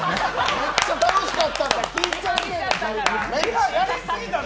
めっちゃ楽しかったの。